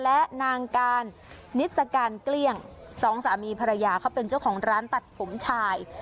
และนางการนิสการเกลี้ยงสองสามีภรรยาเขาเป็นเจ้าของร้านตัดผมชาย